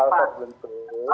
hal hal seperti itu